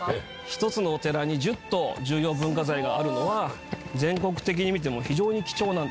一つのお寺に１０棟重要文化財があるのは全国的に見ても非常に貴重なんです。